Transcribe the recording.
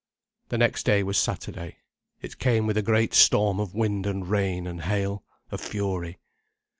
The next day was Saturday. It came with a great storm of wind and rain and hail: a fury.